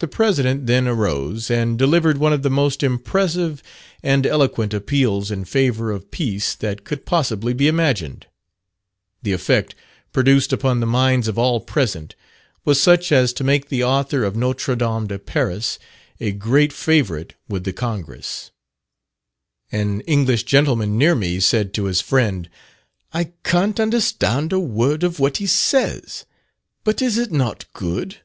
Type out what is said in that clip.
The President then arose, and delivered one of the most impressive and eloquent appeals in favour of peace that could possibly be imagined. The effect produced upon the minds of all present was such as to make the author of "Notre Dame de Paris" a great favourite with the Congress. An English gentleman near me said to his friend, "I can't understand a word of what he says, but is it not good?"